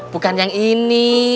bukan yang ini